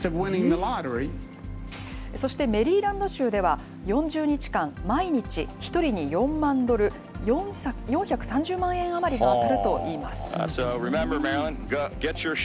そしてメリーランド州では、４０日間毎日、１人に４万ドル、４３０万円余りが当たるといいます。